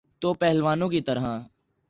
تو پہلوانوں کی طرح۔